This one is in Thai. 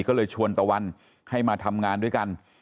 ก็เลยชวนตะวันให้มาทำงานด้วยกัน